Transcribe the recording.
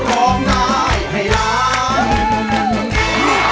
หนูใจไหมครับ